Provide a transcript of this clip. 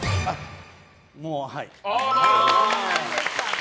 もう、はい。